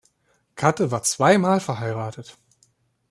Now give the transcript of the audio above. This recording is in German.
Katte war zweimal verheiratet.